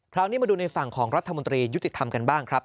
คราวนี้มาดูในฝั่งของรัฐมนตรียุติธรรมกันบ้างครับ